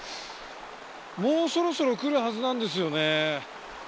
もうそろそろ来るはずなんですよね。